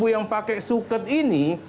delapan puluh empat yang pakai suket ini